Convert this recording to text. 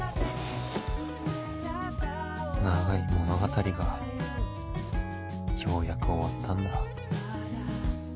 長い物語がようやく終わったんだ